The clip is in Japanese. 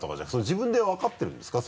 自分で分かってるんですか？